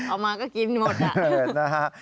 ออกมาก็กินหมดละเออนะฮะ